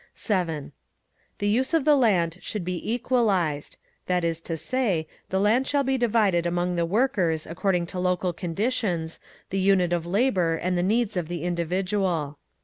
7. The use of the land should be equalised—that is to say, the land shall be divided among the workers according to local conditions, the unit of labour and the needs of the individual.